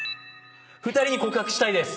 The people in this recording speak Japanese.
２人に告白したいです。